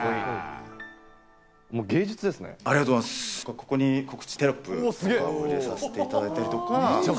ここに告知テロップ、入れさせていただいたりとか。